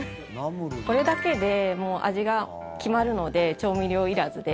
これだけで、もう味が決まるので調味料いらずで。